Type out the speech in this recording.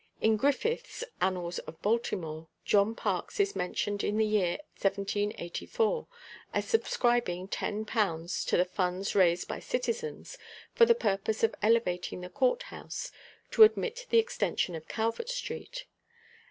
In Griffith's "Annals of Baltimore," John Parks is mentioned in the year 1784 as subscribing ten pounds to the funds raised by citizens for the purpose of elevating the courthouse to admit the extension of Calvert street.